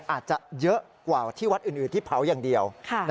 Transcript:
อาจจะเยอะกว่าที่วัดอื่นที่เผาอย่างเดียว